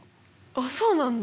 あっそうなんだ。